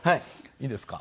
いいですか？